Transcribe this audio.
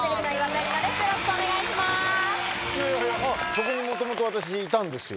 そこもともと私いたんですよ。